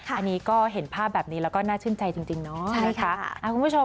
อันนี้ก็เห็นภาพแบบนี้แล้วก็น่าชื่นใจจริงเนาะนะคะ